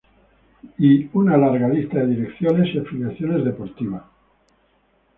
Y una larga lista de direcciones y afiliaciones deportivas.